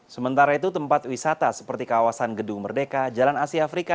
sementara itu tempat wisata seperti kawasan gedung merdeka jalan asia afrika